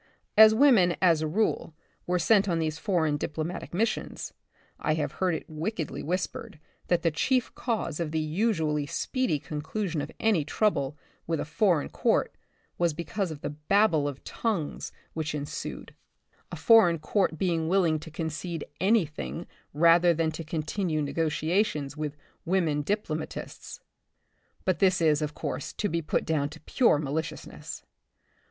As women, as a rule, were sent on these foreign diplomatic missions, I have heard it wickedly whispered tl^at the chief cause of the usually speedy conclusion of any trouble with a foreign court was because of the babel of tongues which 44 '^he Republic of the Future, ensued : a foreign court being willing to con cede any thing rather than to continue negotia tions with women diplomatists. But this of course, is to be put down to pure malicious ness.